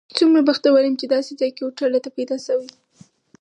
څومره بختور یم چې داسې ځای کې هوټل راته پیدا شوی.